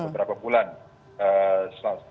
paling tidak dua tiga bulan dia pegang tiga jabatan